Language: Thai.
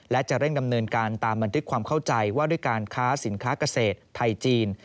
และจะเร่งดำเนินการตามบันทึกความเข้าใจว่าด้วยการค้าสินค้าเกษตรไทยจีน